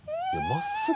真っすぐ？